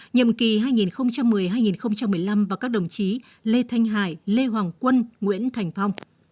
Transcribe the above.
nhiệm kỳ hai nghìn một mươi hai nghìn một mươi năm và các đồng chí lê thanh hải lê hoàng quân nguyễn thành phong